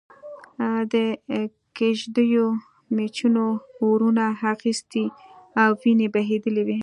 د کېږدیو مېچنو اورونه اخستي او وينې بهېدلې وې.